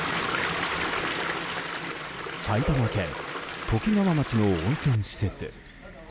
埼玉県ときがわ町の温泉施設。